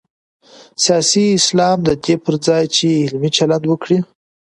سیاسي اسلام د دې پر ځای چې علمي چلند وکړي.